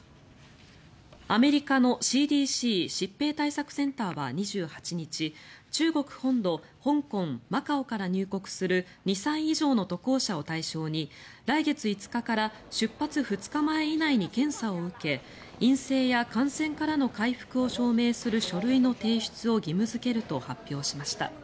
アメリカのＣＤＣ・疾病対策センターは２８日、中国本土香港、マカオから入国する２歳以上の渡航者を対象に来月５日から出発２日前以内に検査を受け陰性や感染からの回復を証明する書類の提出を義務付けると発表しました。